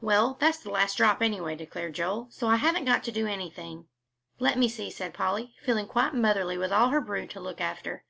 "Well, that's the last drop, anyway," declared Joel, "so I haven't got to do anything." "Let me see," said Polly, feeling quite motherly with all her brood to look after.